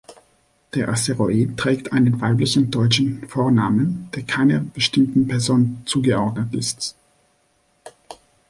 Der Asteroid trägt einen weiblichen deutschen Vornamen, der keiner bestimmten Person zugeordnet ist.